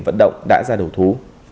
vận động đã ra đầu thú